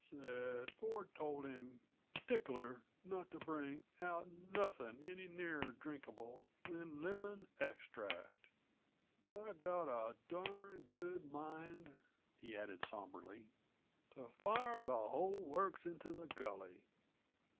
Said Ford told him p'tic'ler not to bring out nothin' any nearer drinkable than lemon extract! I've got a darned good mind," he added somberly, "to fire the hull works into the gully.